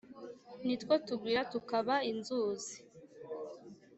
ni two tugwira tukaba inzuzi.